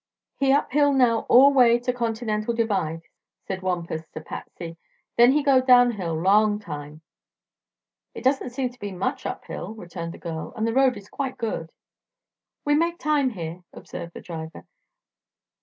"He up hill now all way to Continental Divide," said Wampus to Patsy; "then he go down hill long time." "It doesn't seem to be much uphill," returned the girl, "and the road is very good." "We make time here," observed the driver.